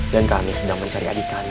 dan kami sedang mencari adikannya